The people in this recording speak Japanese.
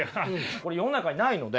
これ世の中にないので。